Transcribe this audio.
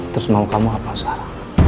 terus mau kamu apa salah